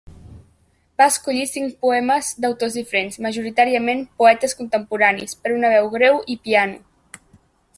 Va escollir cinc poemes d'autors diferents, majoritàriament poetes contemporanis, per una veu greu i piano.